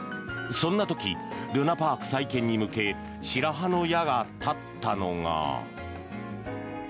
そんな時、るなぱあく再建に向け白羽の矢が立ったのが。